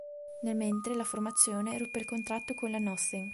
Nel mentre la formazione ruppe il contratto con la Nothing.